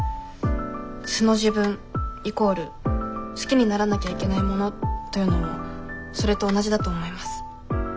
「素の自分」イコール「好きにならなきゃいけないもの」というのもそれと同じだと思います。